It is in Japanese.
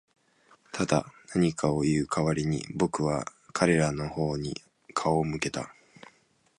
ただ、何かを言う代わりに、僕は彼らの方に顔を向けた。